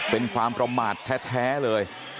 เป็นความประมาทแท้เลย